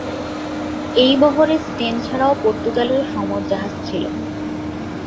এই বহরে স্পেন ছাড়াও পর্তুগালের সমর জাহাজ ছিল।